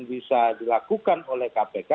bisa dilakukan oleh kpk